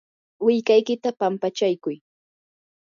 willkaykita pampachaykuy.